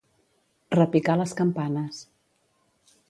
Repicar les campanes.